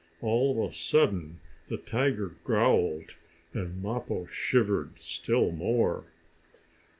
All of a sudden the tiger growled, and Mappo shivered still more.